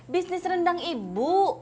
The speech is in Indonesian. bisnis rendang ibu